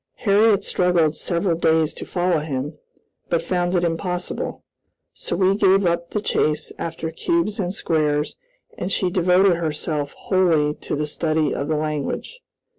Harriot struggled several days to follow him, but found it impossible, so we gave up the chase after cubes and squares, and she devoted herself wholly to the study of the language.